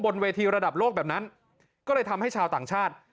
เวทีระดับโลกแบบนั้นก็เลยทำให้ชาวต่างชาติ